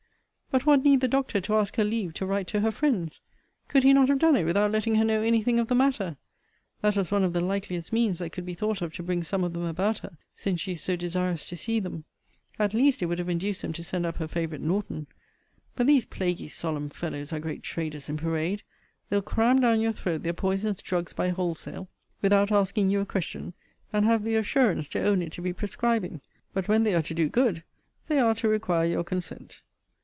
But what need the doctor to ask her leave to write to her friends? Could he not have done it without letting her know any thing of the matter? That was one of the likeliest means that could be thought of to bring some of them about her, since she is so desirous to see them. At least it would have induced them to send up her favourite Norton. But these plaguy solemn fellows are great traders in parade. They'll cram down your throat their poisonous drugs by wholesale, without asking you a question; and have the assurance to own it to be prescribing: but when they are to do good, they are to require your consent.